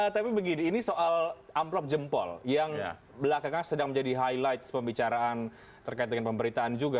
tapi begini ini soal amplop jempol yang belakangan sedang menjadi highlight pembicaraan terkait dengan pemberitaan juga